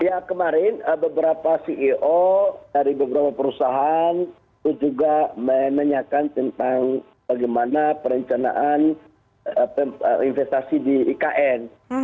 ya kemarin beberapa ceo dari beberapa perusahaan itu juga menanyakan tentang bagaimana perencanaan investasi di ikn